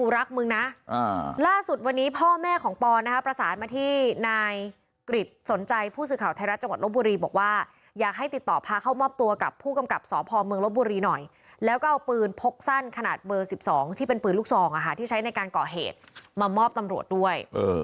แล้วก็เอาปืนพกสั้นขนาดเบอร์๑๒ที่เป็นปืนลูกชองที่ใช้ในการก่อเหตุมามอบตำรวจด้วย